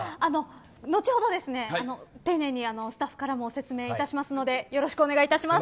後ほど、丁寧にスタッフからも説明いたしますのでよろしくお願いいたします。